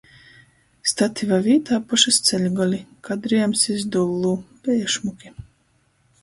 Stativa vītā pošys ceļgoli, kadriejums iz dullū. Beja šmuki.